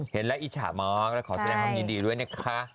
เห็นแล้วอิจฉามากและขอแสดงความยินดีด้วยนะคะ